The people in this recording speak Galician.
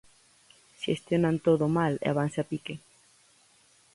Xestionan todo mal e vanse a pique.